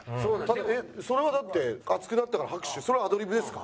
えっそれはだって熱くなったから拍手それはアドリブですか？